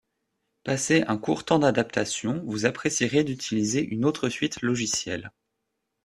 passé un court temps d'adaptation, vous apprécierez d'utiliser une autre suite logicielle